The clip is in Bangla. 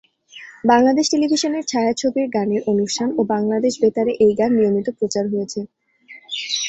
বাংলাদেশ টেলিভিশনের ছায়াছবির গানের অনুষ্ঠান ও বাংলাদেশ বেতারে এই গান নিয়মিত প্রচার হয়েছে।